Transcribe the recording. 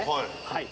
はい。